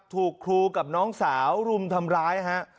ถูกครูกับน้องสาวรุมทำร้ายฮะ